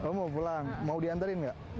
kamu mau pulang mau diantarin nggak